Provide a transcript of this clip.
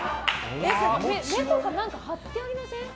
目とか貼ってありません？